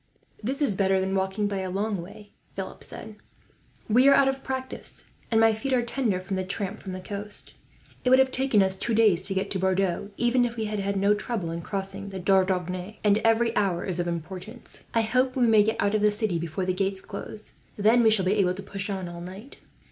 "This is better than walking, by a long way," Philip said. "We are out of practice, and my feet are tender from the tramp from the coast. It would have taken us two days to get to Bordeaux, even if we had no trouble in crossing the Dordogne, and every hour is of importance. I hope we may get out of the city before the gates close, then we shall be able to push on all night."